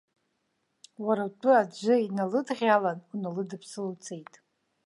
Уара утәы аӡәы иналыдӷьалан, уналыдыԥсыла уцеит.